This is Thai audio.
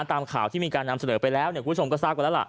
ตามข่าวที่มีการนำเสนอไปแล้วคุณชมก็ทราบกว่าแล้วล่ะ